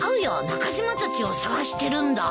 中島たちを捜してるんだ。